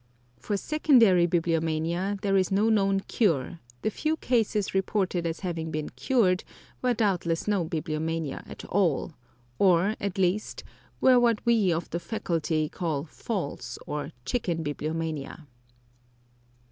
For secondary bibliomania there is no known cure; the few cases reported as having been cured were doubtless not bibliomania at all, or, at least, were what we of the faculty call false or chicken bibliomania.